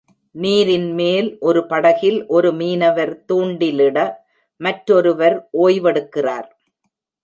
நீரின் மேல் ஒரு படகில் ஒரு மீனவர் தூண்டிலிட மற்றொருவர் ஓய்வெடுக்கிறார்.